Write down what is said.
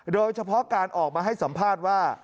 โดยเฉพาะการออกมาให้สัมภาษณ์ว่า